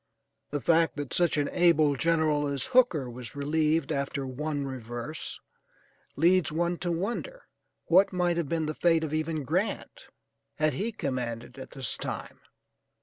The fact that such an able general as Hooker was relieved after one reverse, leads one to wonder what might have been the fate of even Grant had he commanded at this time.